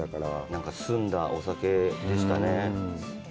なんか澄んだお酒でしたね。